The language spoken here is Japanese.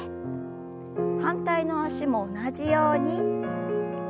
反対の脚も同じように。